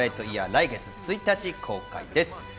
来月１日公開です。